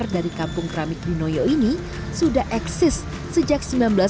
dari kampung keramik di noyo ini sudah eksis sejak seribu sembilan ratus sembilan puluh